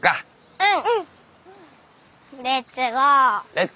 うん。